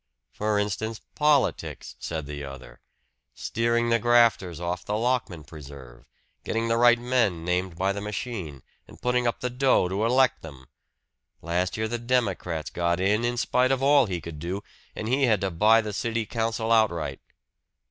"For instance, politics," said the other. "Steering the grafters off the Lockman preserve. Getting the right men named by the machine, and putting up the dough to elect them. Last year the Democrats got in, in spite of all he could do; and he had to buy the city council outright."